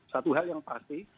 satu hal yang pasti